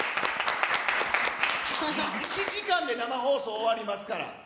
１時間で生放送終わりますから。